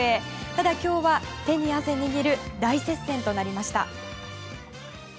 ただ、今日は手に汗握る大接戦となりました。